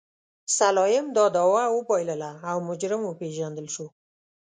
سلایم دا دعوه وبایلله او مجرم وپېژندل شو.